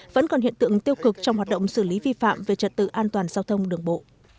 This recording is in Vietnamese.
vẫn còn hiện tượng tiêu cực trong hoạt động xử lý vi phạm về trật tự an toàn giao thông đường bộ